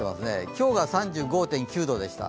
今日が３５．９度でした。